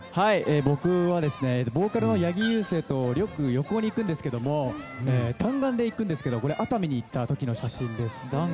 僕はボーカルの八木勇征とよく旅行に行くんですけど弾丸で行くんですけどこれ熱海に行った時の写真です。